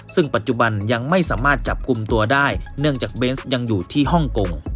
ซึ่งปัจจุบันยังไม่สามารถจับกลุ่มตัวได้เนื่องจากเบนส์ยังอยู่ที่ฮ่องกง